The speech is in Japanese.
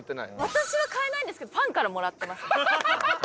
私は買えないんですけどファンからもらってます。